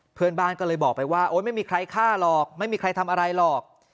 เพื่อนบ้านก็เลยบอกไปว่าโอ๊ยไม่มีใครฆ่าหรอกไม่มีใครทำอะไรหรอก